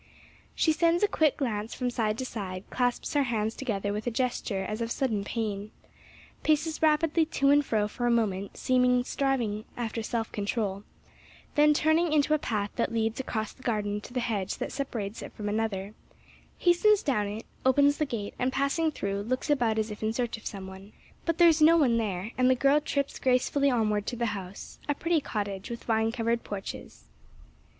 She sends a quick glance from side to side, clasps her hands together with a gesture as of sudden pain, paces rapidly to and fro for a moment, seemingly striving after self control, then turning into a path that leads across the garden to the hedge that separates it from another, hastens down it, opens the gate and passing through looks about as if in search of some one. But there is no one there, and the girl trips gracefully onward to the house, a pretty cottage with vine covered porches.